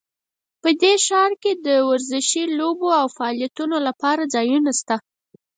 په دې ښار کې د ورزشي لوبو او فعالیتونو لپاره ځایونه شته